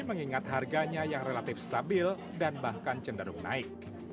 mengingat harganya yang relatif stabil dan bahkan cenderung naik